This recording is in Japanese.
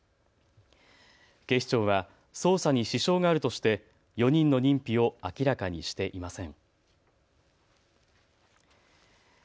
警視庁は捜査に支障があるとして４人の認否を明らかにしていません。